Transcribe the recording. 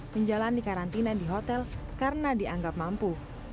menjalani karantina di hotel karena dianggap mampu